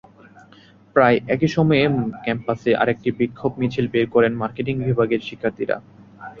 প্রায় একই সময়ে ক্যাম্পাসে আরেকটি বিক্ষোভ মিছিল বের করেন মার্কেটিং বিভাগের শিক্ষার্থীরা।